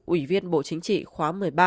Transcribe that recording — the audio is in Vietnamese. ủy viên bộ chính trị khóa một mươi ba